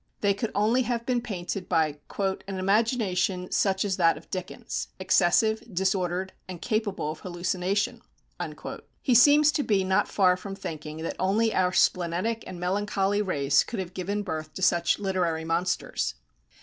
They could only have been painted by "an imagination such as that of Dickens, excessive, disordered, and capable of hallucination." He seems to be not far from thinking that only our splenetic and melancholy race could have given birth to such literary monsters.